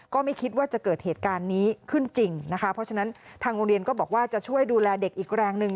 ก็ไม่คิดว่าจะเกิดเหตุการณ์นี้ขึ้นจริงนะคะเพราะฉะนั้นทางโรงเรียนก็บอกว่าจะช่วยดูแลเด็กอีกแรงหนึ่ง